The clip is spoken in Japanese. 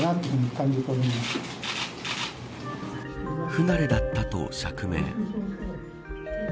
不慣れだったと釈明。